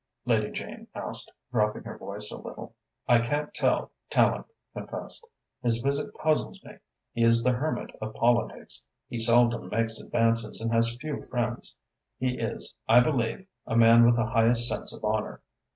Lady Jane asked, dropping her voice a little. "I can't tell," Tallente confessed. "His visit puzzles me. He is the hermit of politics. He seldom makes advances and has few friends. He is, I believe, a man with the highest sense of honour.